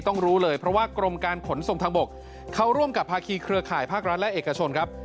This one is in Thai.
รู้เลยเพราะว่ากรมการขนส่งทางบกเขาร่วมกับภาคีเครือข่ายภาครัฐและเอกชนครับ